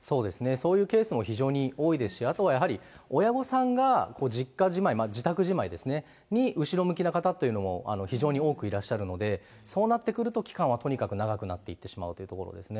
そういうケースも非常に多いですし、あとはやはり、親御さんが実家じまい、自宅じまいですね、に、後ろ向きな方というのも、非常に多くいらっしゃるので、そうなってくると、期間はとにかく長くなってしまうということですね。